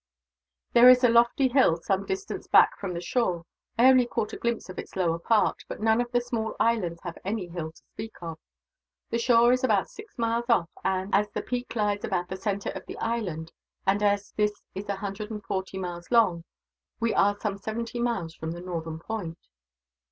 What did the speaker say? There is a lofty hill, some distance back from the shore. I only caught a glimpse of its lower part, but none of the small islands have any hill to speak of. The shore is about six miles off and, as the peak lies about the centre of the island, and as this is a hundred and forty miles long, we are some seventy miles from the northern point.